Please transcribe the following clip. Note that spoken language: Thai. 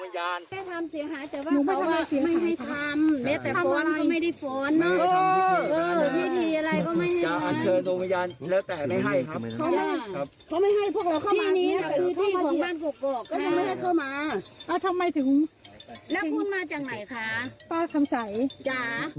มันน่าตัวไหนครับไม่รู้ค่ะณวันนี้หนูตอนนี้ไม่ได้ครับวันนี้ไม่ได้ครับ